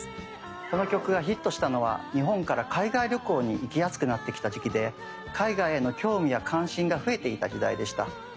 この曲がヒットしたのは日本から海外旅行に行きやすくなってきた時期で海外への興味や関心が増えていた時代でした。